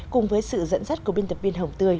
cùng với sự dẫn dắt của biên tập viên hồng tươi